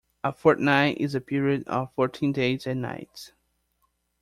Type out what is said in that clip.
A fortnight is a period of fourteen days and nights